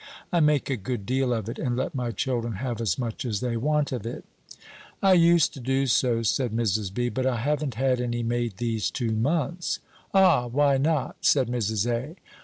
I make a good deal of it, and let my children have as much as they want of it." "I used to do so," said Mrs. B., "but I haven't had any made these two months." "Ah! Why not?" said Mrs. A.